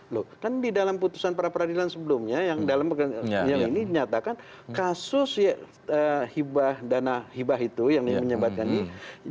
loh kan di dalam putusan pra peradilan sebelumnya yang dalam yang ini dinyatakan kasus hibah dana hibah itu yang menyebabkan ini